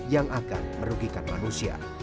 yang akan merugikan manusia